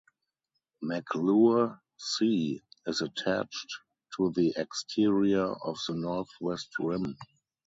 McClure C is attached to the exterior of the northwest rim.